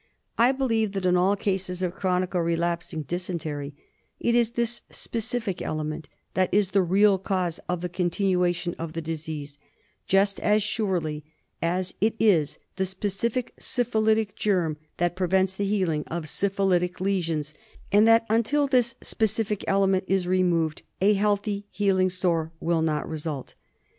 I believe that in all cases of chronic or relapsing dysentery it is this specific element that is the real cause of the continua tion of the disease, just as surely as it is the specific syphilitic germ that prevents the healing of syphilitic lesions, and that until this specific element is removed a healthy healing sore, will not result.